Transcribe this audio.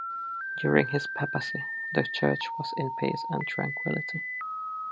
During his papacy, the church was in peace and tranquility.